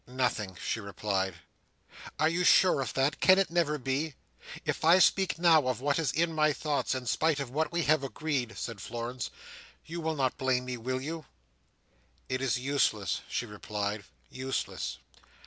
"Nothing," she replied. "Are you sure of that? Can it never be? If I speak now of what is in my thoughts, in spite of what we have agreed," said Florence, "you will not blame me, will you?" "It is useless," she replied, "useless.